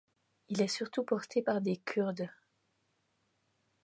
Il est surtout porté par des Kurdes.